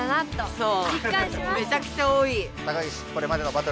そう！